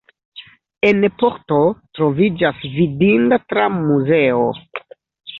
En Porto troviĝas vidinda tram-muzeo.